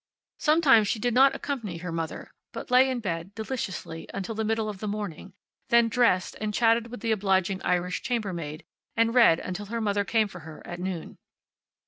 Sometimes she did not accompany her mother, but lay in bed, deliciously, until the middle of the morning, then dressed, and chatted with the obliging Irish chamber maid, and read until her mother came for her at noon.